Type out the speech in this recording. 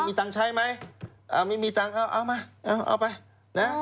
มีตังค์ใช้ไหมเอามาเอาไปนะ